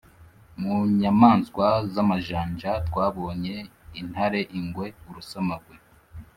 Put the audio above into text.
Mu nyamaswa z’amajanja twabonye intare, ingwe, urusamagwe,